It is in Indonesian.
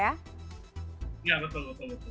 ya betul betul